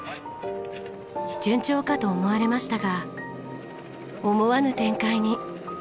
順調かと思われましたが思わぬ展開に。